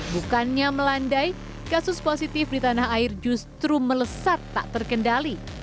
bukannya melandai kasus positif di tanah air justru melesat tak terkendali